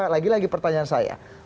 lagi lagi pertanyaan saya